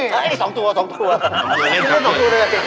คุณต้องถูกเลย